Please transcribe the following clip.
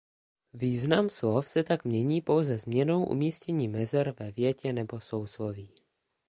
Význam slov se tak mění pouze změnou umístění mezer ve větě nebo sousloví.